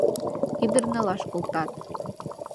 Ӱдыр налаш колтат.